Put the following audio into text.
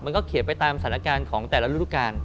มันก็เขียนไปตามสถานการณ์ของแต่ละฤทธิการ